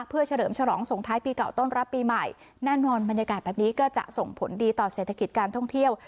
เพื่อเฉลิมฉลองส่งท้ายปีเก่าต้อนรับปีใหม่แน่นอนบรรยากาศแบบนี้ก็จะส่งผลดีต่อเศรษฐกิจการท่องเที่ยว